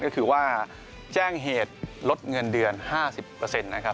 ก็คือว่าแจ้งเหตุลดเงินเดือน๕๐นะครับ